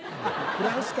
フランスか？